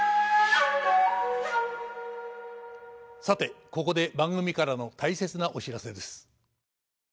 さてここで番組からの大切なお知らせです。